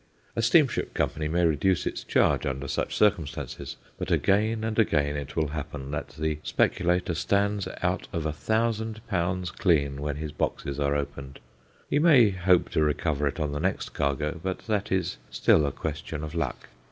A steamship company may reduce its charge under such circumstances, but again and again it will happen that the speculator stands out of a thousand pounds clean when his boxes are opened. He may hope to recover it on the next cargo, but that is still a question of luck.